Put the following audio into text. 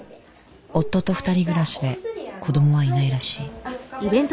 夫と２人暮らしで子どもはいないらしい。